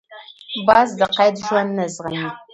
باز د قید ژوند نه زغمي